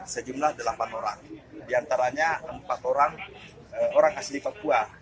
sejumlah delapan orang diantaranya empat orang asli papua